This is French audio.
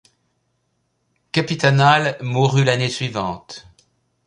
Capitanal mourut l'année suivante.